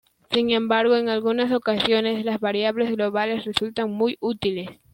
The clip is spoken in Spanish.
Sin embargo, en algunas ocasiones, las variables globales resultan muy útiles.